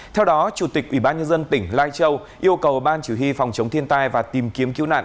theo đó chủ tịch ubnd tỉnh lai châu yêu cầu ban chủ hy phòng chống thiên tai và tìm kiếm cứu nạn